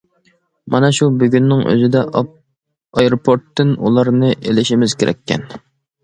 مانا شۇ بۈگۈننىڭ ئۆزىدە ئايروپورتتىن ئۇلارنى ئېلىشىمىز كېرەككەن.